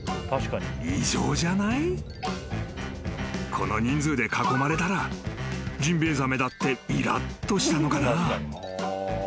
［この人数で囲まれたらジンベエザメだっていらっとしたのかな］